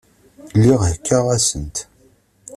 Lliɣ heggaɣ-asent.